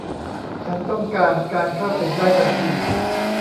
ฉันต้องการการเข้าถึงได้ทันที